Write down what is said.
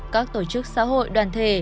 các tổ chức xã hội đoàn thể